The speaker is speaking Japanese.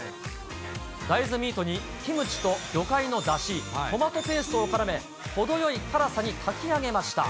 大豆ミートにキムチと魚介のだし、トマトペーストをからめ、程よい辛さに炊き上げました。